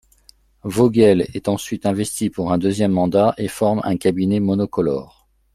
Vogel est ensuite investi pour un deuxième mandat et forme un cabinet monocolore.